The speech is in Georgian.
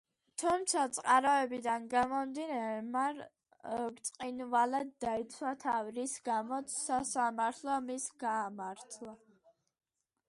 თუმცა წყაროებიდან გამომდინარე, მან ბრწყინვალედ დაიცვა თავი, რის გამოც სასამართლომ ის გაამართლა.